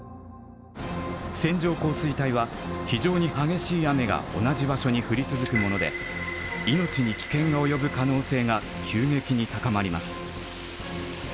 線状降水帯は非常に激しい雨が同じ場所に降り続くもので命に危険が及ぶ可能性が急激に高まります。